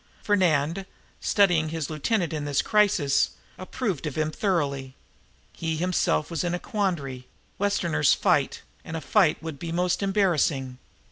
Fernand, studying his lieutenant in this crisis, approved of him thoroughly. He himself was in a quandary. Westerners fight, and a fight would be most embarrassing.